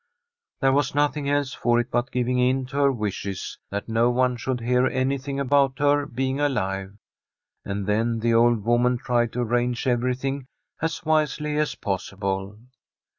There was nothing else for it but giving in to her wishes that no one should hear anything about her being alive. And then the old woman tried to arrange everything as wisely as possible.